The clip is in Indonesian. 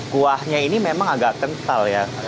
kuahnya ini memang agak kental ya